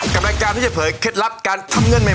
กับรายการที่จะเผยเคล็ดลักษณ์การทำเงื่อนใหม่